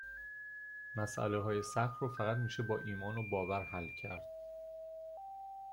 مسئلههای سخت رو فقط میشه با ایمان و باور حل کرد